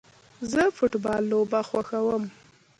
زه فټبال لوبه خوښوم